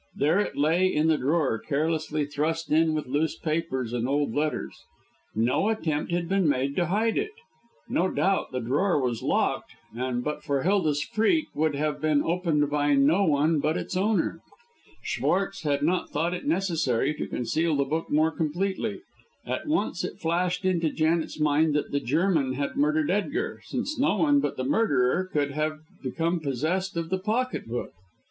There it lay in the drawer, carelessly thrust in with loose papers and old letters. No attempt had been made to hide it. No doubt the drawer was locked, and but for Hilda's freak would have been opened by no one but its owner. Schwartz had not thought it necessary to conceal the book more completely. At once it flashed into Janet's mind that the German had murdered Edgar, since no one but the murderer could have become possessed of the pocket book.